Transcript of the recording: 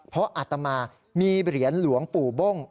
เพราะอัตมามีเหรียญหลวงปู่บ้ง